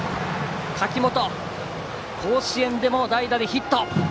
柿本、甲子園でも代打でヒット！